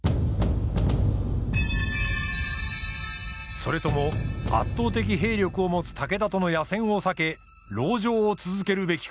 それとも圧倒的兵力を持つ武田との野戦を避け籠城を続けるべきか。